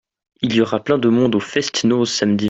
Il y aura plein de monde au fest-noz samedi.